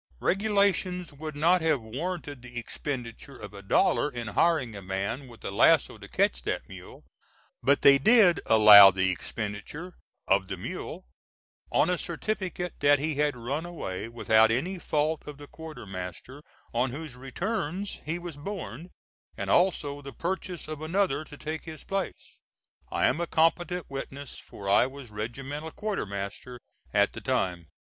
Regulations would not have warranted the expenditure of a dollar in hiring a man with a lasso to catch that mule; but they did allow the expenditure "of the mule," on a certificate that he had run away without any fault of the quartermaster on whose returns he was borne, and also the purchase of another to take his place. I am a competent witness, for I was regimental quartermaster at the time.